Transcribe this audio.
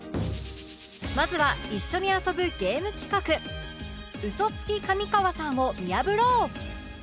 まずは一緒に遊ぶゲーム企画嘘つき上川さんを見破ろう